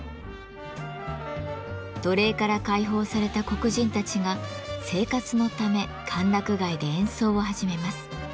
奴隷から解放された黒人たちが生活のため歓楽街で演奏を始めます。